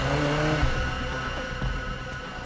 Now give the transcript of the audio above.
dan menangkapnya dengan kecewa